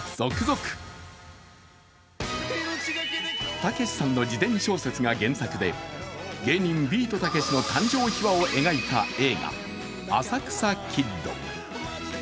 たけしさんの自伝小説が原作で、芸人ビートたけしの誕生秘話を描いた映画、「浅草キッド」。